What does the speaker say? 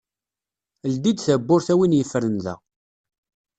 ldi-d tawwurt a win yefren da.